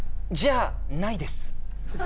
じゃあないです。